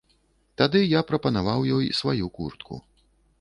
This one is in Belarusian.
Тады я прапанаваў ёй сваю куртку.